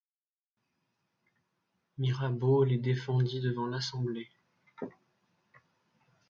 Mirabeau les défendit devant l'Assemblée.